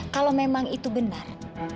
kalau memang itu benar